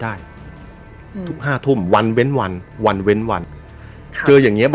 ได้อืมทุกห้าทุ่มวันเว้นวันวันเว้นวันค่ะเจออย่างเงี้บ